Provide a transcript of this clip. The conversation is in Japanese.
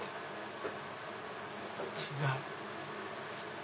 違う。